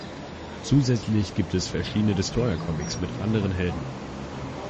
Zusätzlich gibt es verschiedene Destroyer-Comics mit anderen Helden.